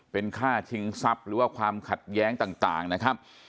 เป็นค่าชิงทรัพย์หรือว่าความขัดแย้งต่างนะครับ